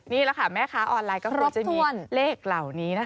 นี่แหละแม่ข้าออนไลน์ก็ควรจะมีเลขเหล่านี้นะคะ